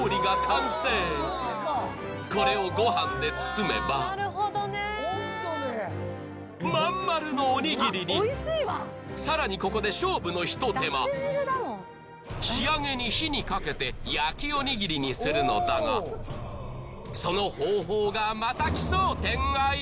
これをごはんで包めばまん丸のおにぎりに更にここで勝負のひと手間仕上げに火にかけて焼きおにぎりにするのだがその方法がまた奇想天外！